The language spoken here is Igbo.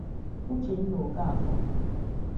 Uchenna Okafor